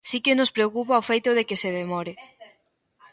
Si que nos preocupa o feito de que se demore.